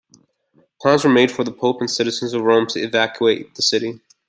Plans were made for the Pope and citizens of Rome to evacuate the city.